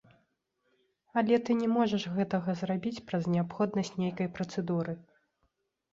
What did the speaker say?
Але ты не можаш гэтага зрабіць праз неабходнасць нейкай працэдуры.